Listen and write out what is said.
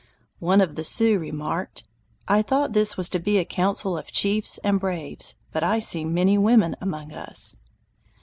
One of the Sioux remarked: "I thought this was to be a council of chiefs and braves, but I see many women among us."